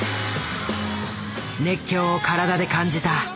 熱狂を体で感じた。